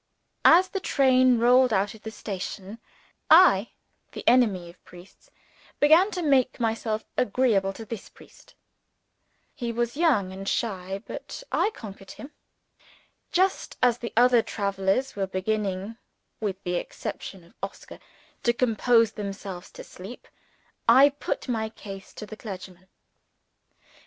As the train rolled out of the station, I, the enemy of priests, began to make myself agreeable to this priest. He was young and shy but I conquered him. Just as the other travelers were beginning (with the exception of Oscar) to compose themselves to sleep, I put my case to the clergyman.